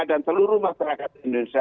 dan seluruh masyarakat di indonesia